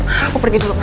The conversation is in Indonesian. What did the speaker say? aku pergi dulu ma